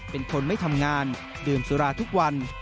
เป็นคนไม่ทำงานดื่มสุราทุกวัน